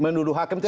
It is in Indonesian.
menuduh hakim tidak